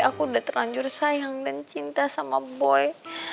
aku udah terlanjur sayang dan cinta sama boy